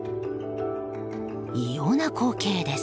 異様な光景です。